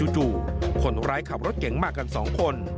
จู่คนร้ายขับรถเก๋งมากัน๒คน